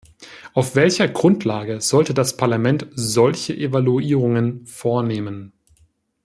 Auf welcher Grundlage sollte das Parlament solche Evaluierungen vornehmen?